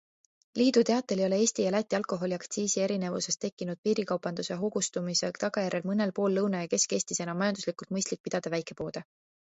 Liidu teatel ei ole Eesti ja Läti alkoholiaktsiisi erinevusest tekkinud piirikaubanduse hoogustumise tagajärjel mõnel pool Lõuna- ja Kesk-Eestis enam majanduslikult mõistlik pidada väikepoode.